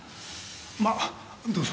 まっどうぞ。